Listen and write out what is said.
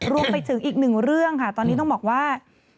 รวมไปถึงอีกหนึ่งเรื่องค่ะตอนนี้ต้องบอกว่า